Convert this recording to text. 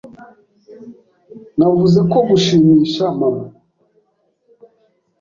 Navuze ko gushimisha mama.